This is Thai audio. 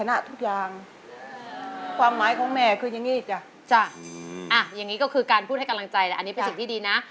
อ่ะอย่างงี้ก็คือการพูดให้กำลังใจอันนี้เป็นสิ่งที่ดีนะ